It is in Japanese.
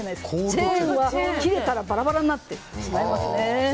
チェーンは切れたらバラバラになってしまいますね。